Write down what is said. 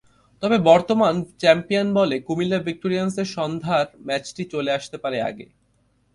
তবে বর্তমান চ্যাম্পিয়ন বলে কুমিল্লা ভিক্টোরিয়ানসের সন্ধ্যার ম্যাচটি চলে আসতে পারে আগে।